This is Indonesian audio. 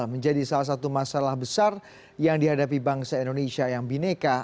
menjadi salah satu masalah besar yang dihadapi bangsa indonesia yang bineka